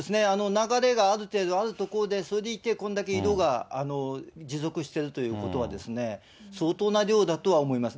流れがある程度あるところで、それでいてこれだけ色が持続しているということは、相当な量だとは思います。